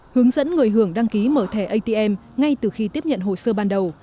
hướng dẫn người hưởng đăng ký mở thẻ atm ngay từ khi tiếp nhận hồ sơ ban đầu